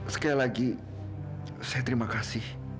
sekali lagi saya terima kasih